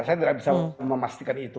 saya tidak bisa memastikan itu